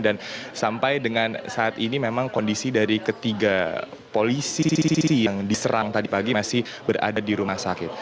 dan sampai dengan saat ini memang kondisi dari ketiga polisi yang diserang tadi pagi masih berada di rumah sakit